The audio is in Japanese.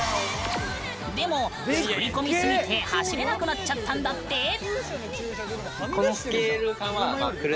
でも、作り込みすぎて走れなくなっちゃったんだって。